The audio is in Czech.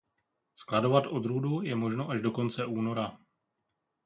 Skladovat odrůdu je možno až do konce února.